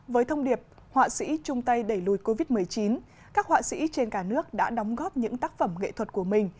với thông điệp họa sĩ chung tay đẩy lùi covid một mươi chín các họa sĩ trên cả nước đã đóng góp những tác phẩm nghệ thuật của mình